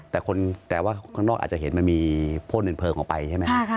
แต่ว่าข้างนอกอาจจะเห็นมันมีพลเปิงออกไปใช่ไหมคะ